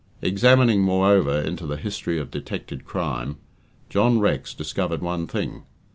Examining, moreover, into the history of detected crime, John Rex discovered one thing.